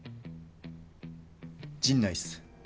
陣内っす。